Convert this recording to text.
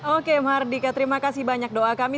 oke mardika terima kasih banyak doa kami